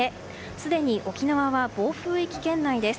すでに沖縄は暴風域圏内です。